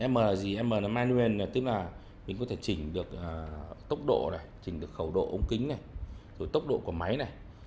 m là manual tức là mình có thể chỉnh được tốc độ này chỉnh được khẩu độ ống kính này rồi tốc độ của máy này